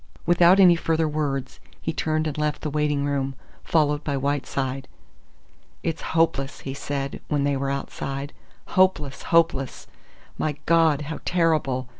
Without any further words he turned and left the waiting room, followed by Whiteside. "It's hopeless," he said, when they were outside, "hopeless, hopeless! My God! How terrible!